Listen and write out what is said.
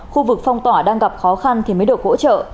khu vực phong tỏa đang gặp khó khăn thì mới được hỗ trợ